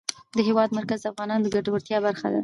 د هېواد مرکز د افغانانو د ګټورتیا برخه ده.